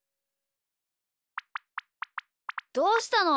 どうしたの？